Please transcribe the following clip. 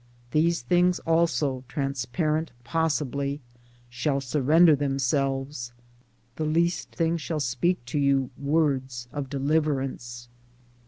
these things also transparent possibly shall surrender themselves — the least thing shall speak to you words of deliverance.